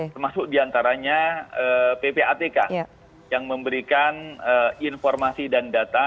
termasuk diantaranya ppatk yang memberikan informasi dan data